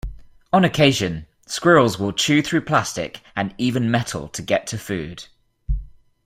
On occasion, squirrels will chew through plastic and even metal to get to food.